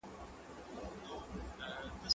ايا ته د کتابتون کتابونه لوستل کوې،